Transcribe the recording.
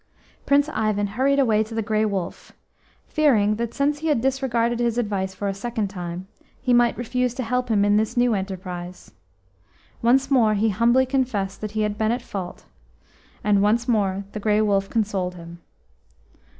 Prince Ivan hurried away to the Grey Wolf, fearing that since he had disregarded his advice for a second time, he might refuse to help him in this new enterprise. Once more he humbly confessed that he had been at fault, and once more the Grey Wolf consoled him.